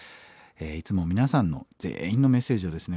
いつも皆さんの全員のメッセージをですね